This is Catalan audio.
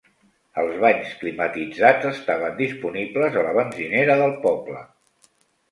Els banys climatitzats estaven disponibles a la benzinera del poble.